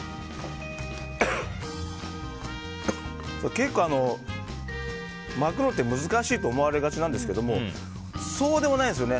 結構、巻くのって難しいと思われがちなんですがそうでもないんですよね。